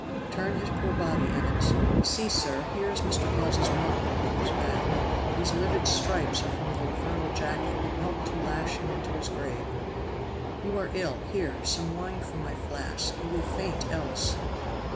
Turn his poor body, Evans. See, sir, here is Mr. Hawes's mark upon his back. These livid stripes are from the infernal jacket and helped to lash him into his grave. You are ill. Here! some wine from my flask! You will faint else!"